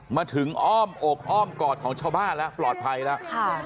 มาถึงอ้อมอกอ้อมกอดของชาวบ้านแล้วปลอดภัยแล้ว